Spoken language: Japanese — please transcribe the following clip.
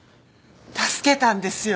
助けたんですよ。